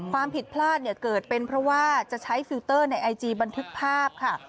ความผิดพลาดเนี่ยเกิดเป็นเพราะว่าจะใช้ฟิลเตอร์ในไอจีบันทึกภาพค่ะ